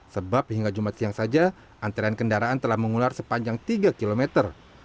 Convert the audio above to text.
sebab hingga jumat siang saja antrean kendaraan telah mengular sepanjang tiga kilometer